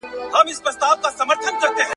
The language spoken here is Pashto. ژوند په هر حال کي تېریږي.